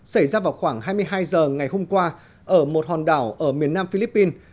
xảy ra vào khoảng hai mươi hai h ngày hôm qua ở một hòn đảo ở miền nam philippines